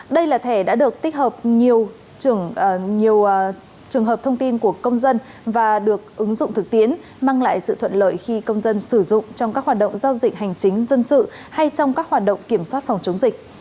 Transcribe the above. đây là thẻ đã được tích hợp nhiều trường hợp thông tin của công dân và được ứng dụng thực tiễn mang lại sự thuận lợi khi công dân sử dụng trong các hoạt động giao dịch hành chính dân sự hay trong các hoạt động kiểm soát phòng chống dịch